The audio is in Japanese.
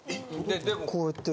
こうやって。